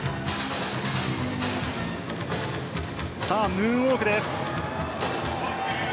ムーンウォークです。